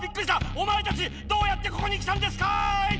おまえたちどうやってここに来たんですかい⁉